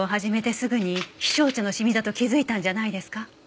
すぐに陽尚茶のシミだと気づいたんじゃないですか？